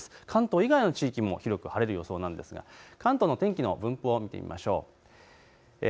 関東以外の地域も広く晴れそうですが関東の天気の分布を見てみましょう。